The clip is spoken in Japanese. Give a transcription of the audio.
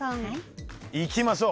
いきましょう。